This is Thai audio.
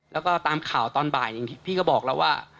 แล้วก็ตามข่าวตอนบ่ายพี่ก็บอกแล้วว่า